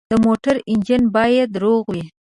د موټر انجن باید روغ وي.